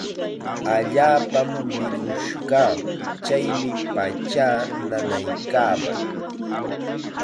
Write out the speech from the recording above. Allaapam mikush kaa. Chaymi pachaa nanaykaaman.